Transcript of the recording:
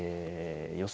予想